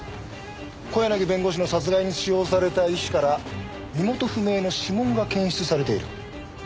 小柳弁護士の殺害に使用された石から身元不明の指紋が検出されている。